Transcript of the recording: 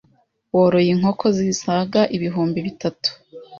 woroye inkoko zisaga ibihumbi bitatu